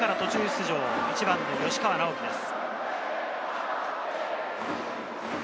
そして今日、守備から途中出場、１番の吉川尚輝です。